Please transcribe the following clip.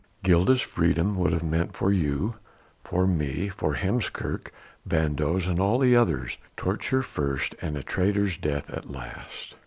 Gilda's freedom would have meant for you, for me, for Heemskerk, van Does and all the others, torture first and a traitor's death at the last."